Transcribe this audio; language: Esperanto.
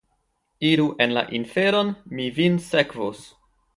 Iru en la inferon, mi vin sekvos!